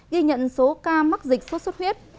ghi nhận số ca mắc dịch sốt xuất huyết